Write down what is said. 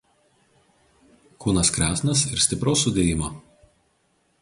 Kūnas kresnas ir stipraus sudėjimo.